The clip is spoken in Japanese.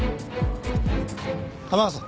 天笠。